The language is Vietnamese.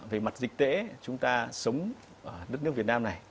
về mặt dịch tễ chúng ta sống ở đất nước việt nam này